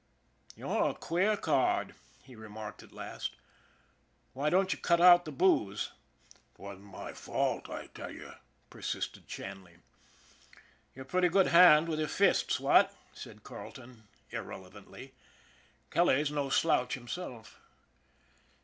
" You're a queer card," he remarked at last. :< Why don't you cut out the booze ?"" 'Twasn't my fault, I tell you," persisted Shanley. " You're a pretty good hand with your fists, what ?" said Carleton irrelevantly. " Kelly's no slouch him self."